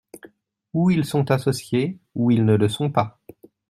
Ou ils sont associés, ou ils ne le sont pas.